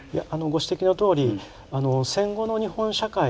ご指摘のとおり戦後の日本社会というのは